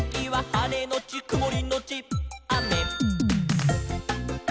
「はれのちくもりのちあめ」